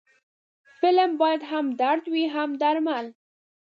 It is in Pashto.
فلم باید هم درد وي، هم درمل